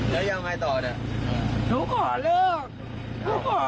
ถ้าเป็นกับหนูขนาดนี้พี่จะรับได้ไหม